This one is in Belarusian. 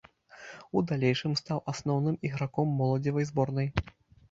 У далейшым стаў асноўным іграком моладзевай зборнай.